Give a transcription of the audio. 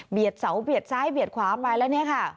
เสาเบียดซ้ายเบียดขวาไปแล้วเนี่ยค่ะ